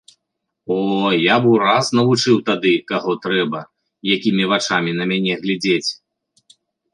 О, я б ураз навучыў тады, каго трэба, якімі вачамі на мяне глядзець!